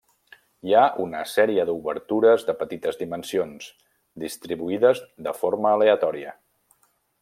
Hi ha una sèrie d'obertures de petites dimensions, distribuïdes de forma aleatòria.